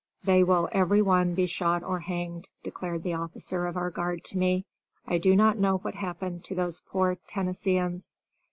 "They will everyone be shot or hanged," declared the officer of our guard to me. I do not know what happened to these poor Tennesseeans.